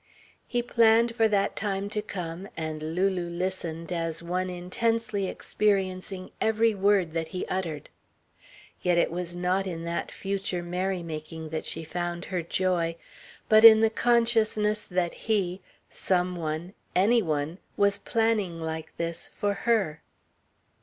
He planned for that time to come, and Lulu listened as one intensely experiencing every word that he uttered. Yet it was not in that future merry making that she found her joy, but in the consciousness that he some one any one was planning like this for her.